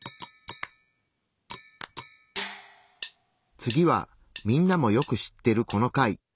次はみんなもよく知ってるこの貝。